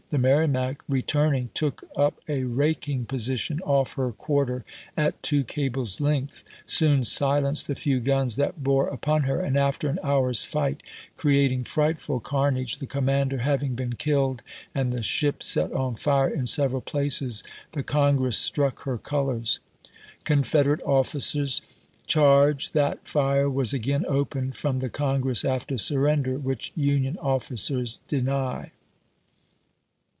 The Merrimac, re turning, took up a raking position off her quarter at two cables' length, soon silenced the few guns that bore upon her, and after an hour's fight, creating frightful carnage, the commander having been killed and the ship set on fire in several places, the Congress struck her colors. Confed erate officers charge that fire was again opened from the Congress after surrender, which Union officers deny.